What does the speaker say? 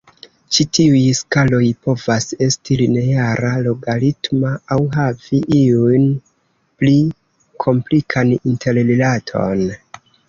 Ĉi tiuj skaloj povas esti lineara, logaritma aŭ havi iun pli komplikan interrilaton.